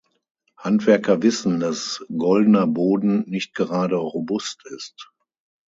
Handwerker wissen, dass goldener Boden nicht gerade robust ist.